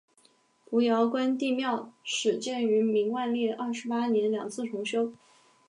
扶摇关帝庙始建于明万历二十八年两次重修。